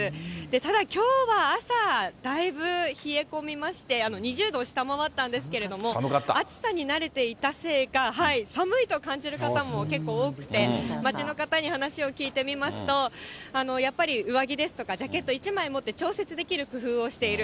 ただ、きょうは朝だいぶ冷え込みまして、２０度を下回ったんですけれども、暑さに慣れていたせいか、寒いと感じる方も結構多くて、街の方に話を聞いてみますと、やっぱり上着ですとかジャケット１枚持って、調節できる工夫をしている。